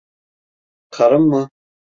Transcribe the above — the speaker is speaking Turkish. Karım mı?